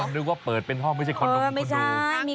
อ๋อนึกว่าเปิดเป็นห้องไม่ใช่คอนบุคคุณผู้ดู